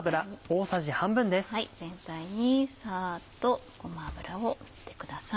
全体にさっとごま油を塗ってください。